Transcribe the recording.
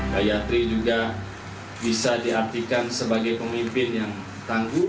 gayatri juga bisa diartikan sebagai pemimpin yang tangguh